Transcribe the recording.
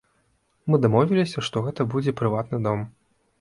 Мы дамовіліся, што гэта будзе прыватны дом.